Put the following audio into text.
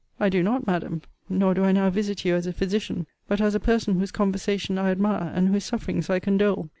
I do not, Madam. Nor do I now visit you as a physician; but as a person whose conversation I admire, and whose sufferings I condole.